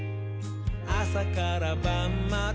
あさからばんまで」